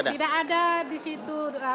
tidak ada di situ